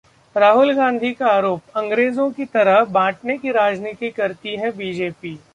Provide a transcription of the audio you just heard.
राहुल गांधी का आरोप- अंग्रेजों की तरह बांटने की राजनीति करती है बीजेपी